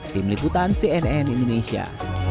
tim liputan cnn indonesia